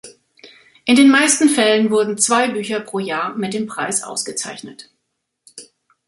In den meisten Fällen wurden zwei Bücher pro Jahr mit dem Preis ausgezeichnet.